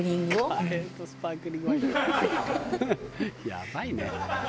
「やばいね」